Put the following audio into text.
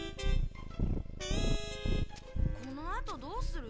このあとどうする？